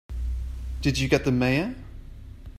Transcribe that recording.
Did you get the Mayor?